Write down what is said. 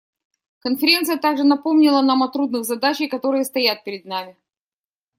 Конференция также напомнила нам о трудных задачах, которые стоят перед нами.